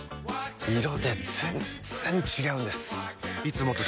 色で全然違うんです！